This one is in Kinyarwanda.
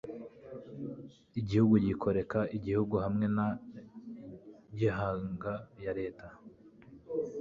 igihugu kigoreka igihugu hamwe na gihanga ya leta